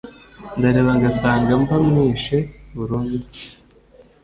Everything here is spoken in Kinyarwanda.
ndareba ngasanga mba mwishe burundu